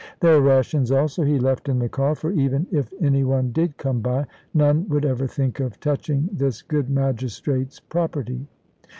Their rations also he left in the car, for even if any one did come by, none would ever think of touching this good magistrate's property.